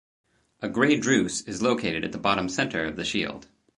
A grey druse is located at the bottom center of the shield.